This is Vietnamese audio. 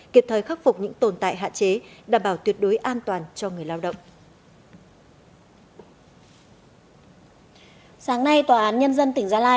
kịp thời khắc phục những tồn tại hạn chế đảm bảo tuyệt đối an toàn cho người lao động